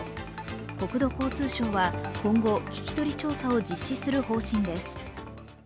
国土交通省は今後、聞き取り調査を実施する方針です。